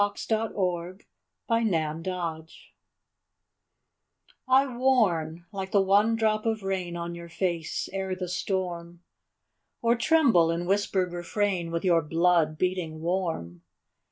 THE VOICE OF THE VOID I warn, like the one drop of rain On your face, ere the storm; Or tremble in whispered refrain With your blood, beating warm.